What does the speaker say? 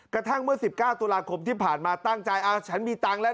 กระทั่งเมื่อ๑๙ตุลาคมที่ผ่านมาตั้งใจฉันมีตังค์แล้ว